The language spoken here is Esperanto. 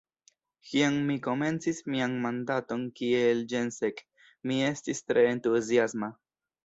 Kiam mi komencis mian mandaton kiel ĜenSek, mi estis tre entuziasma.